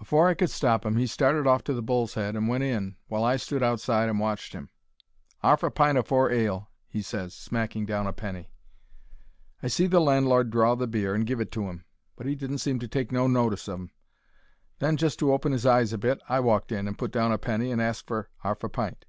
Afore I could stop 'im he started off to the Bull's Head and went in, while I stood outside and watched 'im. "'Arf a pint o' four ale," he ses, smacking down a penny. I see the landlord draw the beer and give it to 'im, but 'e didn't seem to take no notice of 'im. Then, just to open 'is eyes a bit, I walked in and put down a penny and asked for a 'arf pint.